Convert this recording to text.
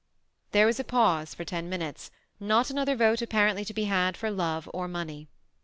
There was a pause for ten minutes, not another vote apparently to be had for love or money.